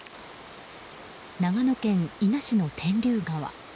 長野県伊那市の天竜川。